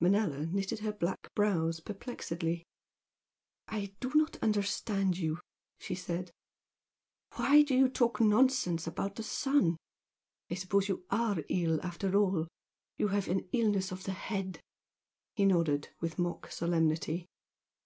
Manella knitted her black brows perplexedly. "I do not understand you" she said "Why do you talk nonsense about the sun? I suppose you ARE ill after all, you have an illness of the head." He nodded with mock solemnity.